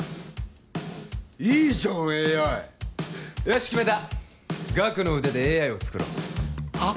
いいじゃんＡＩよし決めたガクの腕でＡＩを作ろうはっ？